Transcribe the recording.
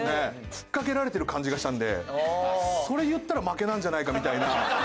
吹っかけられてる感じがしたのでそれ言ったら負けなんじゃないかみたいな。